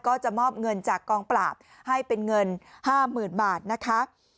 ก็จะมอบเงินจากกองปราบให้เป็นเงิน๕๐๐๐บาทนะคะ